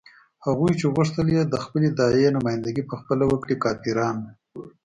هغوی چې غوښتل یې د خپلې داعیې نمايندګي په خپله وکړي کافران وو.